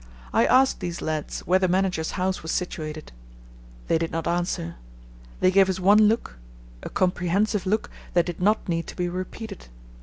I asked these lads where the manager's house was situated. They did not answer. They gave us one look—a comprehensive look that did not need to be repeated.